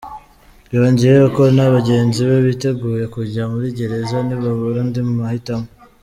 Yongeyeho ko na bagenzi be biteguye kujya muri gereza nibabura andi mahitamo.